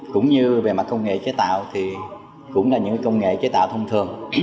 cũng như về mặt công nghệ chế tạo thì cũng là những công nghệ chế tạo thông thường